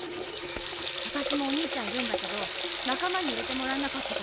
私もお兄ちゃんいるんだけど仲間に入れてもらえなかったことある。